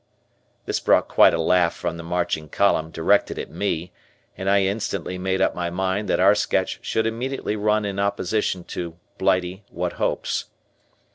This brought quite a laugh from the marching column directed at me, and I instantly made up my mind that our sketch should immediately run in opposition to 'Blighty What Hopes?'